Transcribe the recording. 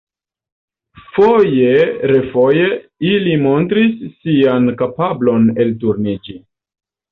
Foje-refoje ili montris sian kapablon elturniĝi.